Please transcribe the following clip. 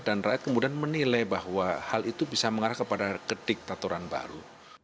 rakyat kemudian menilai bahwa hal itu bisa mengarah kepada kediktatoran baru